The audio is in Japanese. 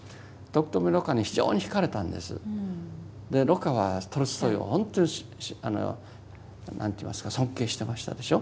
蘆花はトルストイを本当に何て言いますか尊敬してましたでしょう。